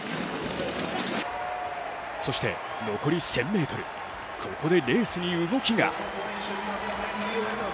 そして残り１０００ｍ、ここでレースに動きが。